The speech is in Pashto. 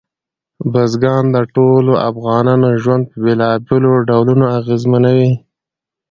بزګان د ټولو افغانانو ژوند په بېلابېلو ډولونو اغېزمنوي.